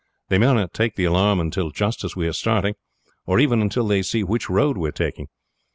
They may not take the alarm until just as we are starting, or even until they see which road we are taking.